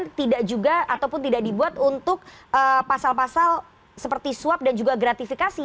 tidak juga ataupun tidak dibuat untuk pasal pasal seperti swab dan juga gratifikasi